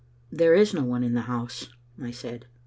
"There is no one in the house," I said.